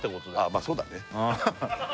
まあそうだね